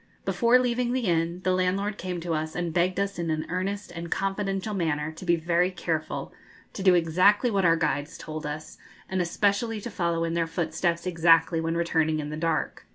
Before leaving the inn the landlord came to us and begged us in an earnest and confidential manner to be very careful, to do exactly what our guides told us, and especially to follow in their footsteps exactly when returning in the dark.